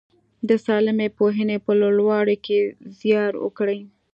د سالمې پوهنې په لوړولو کې زیار وکړي.